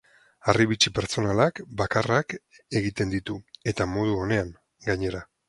Harribitxi pertsonalak, bakarrak, egiten ditu, eta modu onean, gainera.